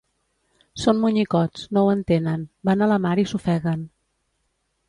Són monyicots, no ho entenen; van a la mar i s'ofeguen.